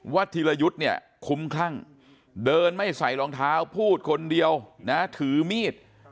ธีรยุทธ์เนี่ยคุ้มคลั่งเดินไม่ใส่รองเท้าพูดคนเดียวนะถือมีด